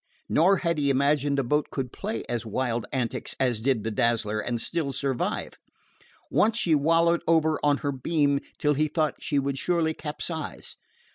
Nor had he imagined a boat could play as wild antics as did the Dazzler and still survive. Often she wallowed over on her beam till he thought she would surely capsize.